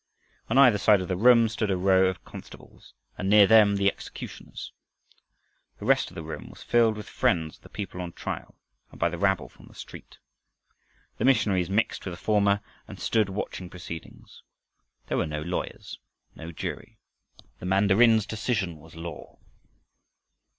On either side of the room stood a row of constables and near them the executioners. The rest of the room was filled with friends of the people on trial and by the rabble from the street. The missionaries mixed with the former and stood watching proceedings. There were no lawyers, no jury. The mandarin's decision was law.